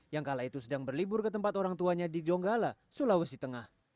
yang kala itu sedang berlibur ke tempat orang tuanya di donggala sulawesi tengah